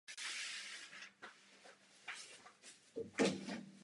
Některé jeho knihy doprovodil ilustracemi známý český malíř a ilustrátor Josef Jíra.